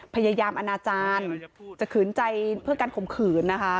พยายามอนาจารย์จะขืนใจเพื่อการข่มขืนนะคะ